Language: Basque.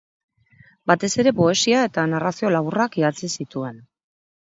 Batez ere poesia eta narrazio laburrak idatzi zituen.